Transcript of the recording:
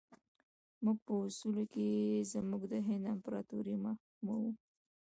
موږ په اصولو کې زموږ د هند امپراطوري محکوموو.